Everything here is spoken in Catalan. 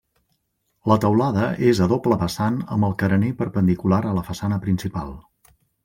La teulada és a doble vessant amb el carener perpendicular a la façana principal.